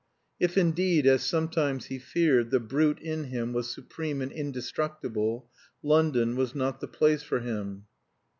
If, indeed, as sometimes he feared, the brute in him was supreme and indestructible, London was not the place for him.